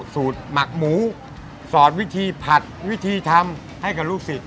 หมักหมูสอนวิธีผัดวิธีทำให้กับลูกศิษย